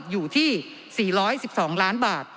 อยู่ที่๔๑๒ล้านบาท